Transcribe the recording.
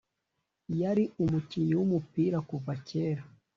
yari umukinnyi w’umupira kuva kera